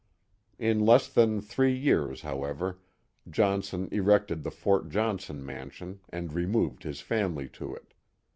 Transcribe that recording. In less than three years, however, Johnson erected the Fort Johnson mansion and removed his family to it.